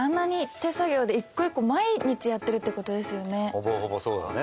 ほぼほぼそうだね。